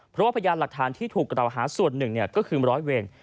เพราะว่าพยานหลักฐานที่ถูกต่อหาส่วน๑เนี่ยก็คือ๑๐๐เวง